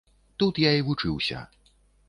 Тут я і вучыўся.